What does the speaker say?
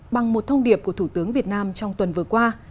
bằng một thông điệp của thủ tướng việt nam trong tuần vừa qua